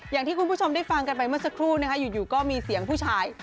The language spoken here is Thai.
อย่างที่คุณผู้ชมได้ฟังกันไปเมื่อสักครู่นะคะอยู่ก็มีเสียงผู้ชาย